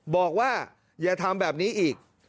บอกว่าอย่าทำแบบนี้อีก